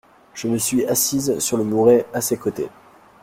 Je me suis assise sur le muret à ses côtés.